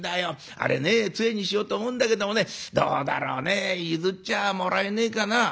あれねつえにしようと思うんだけどもねどうだろうね譲っちゃもらえねえかな？」。